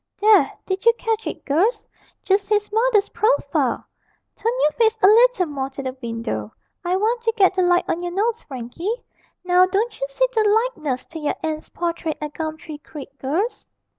'There, did you catch it, girls? Just his mother's profile! Turn your face a leetle more to the window; I want to get the light on your nose, Frankie; now don't you see the likeness to your aunt's portrait at Gumtree Creek, girls?'